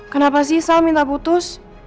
kenapa sih sal minta putus